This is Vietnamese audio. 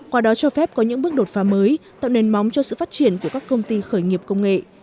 qua đó cho phép có những bước đột phá mới tạo nền móng cho sự phát triển của các công ty khởi nghiệp công nghệ